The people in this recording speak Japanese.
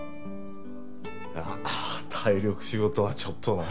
いや体力仕事はちょっとな。